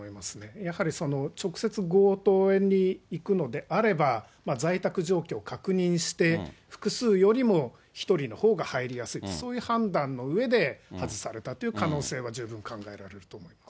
やはり、直接強盗に行くのであれば、在宅状況を確認して、複数よりも１人のほうが入りやすいって、そういう判断の上で外されたという可能性は十分考えられると思います。